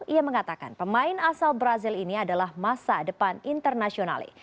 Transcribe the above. ia mengatakan pemain asal brazil ini adalah masa depan internasional